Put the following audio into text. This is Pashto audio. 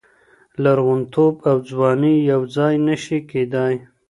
لرغونتوب او ځواني یو ځای نشي کېدای.